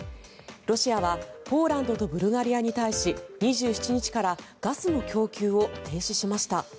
ロシアはポーランドとブルガリアに対し２７日からガスの供給を停止しました。